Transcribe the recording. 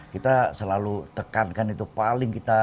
kita selalu tekankan itu paling kita